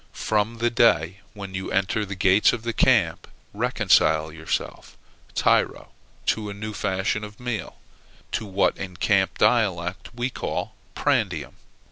From the day when you enter the gates of the camp, reconcile yourself, tyro, to a new fashion of meal, to what in camp dialect we call prandium."